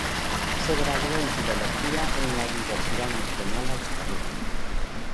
Se graduó en filología en la Universidad Nacional Australiana.